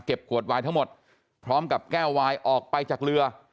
ขวดวายทั้งหมดพร้อมกับแก้ววายออกไปจากเรือ